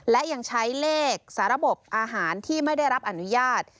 และยังใช้เลขสาระบบอาหารที่ไม่ได้รับอนุญาต